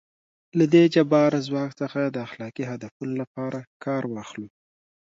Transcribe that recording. له دې جبار ځواک څخه د اخلاقي هدفونو لپاره کار واخلو.